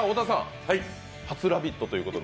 初「ラヴィット！」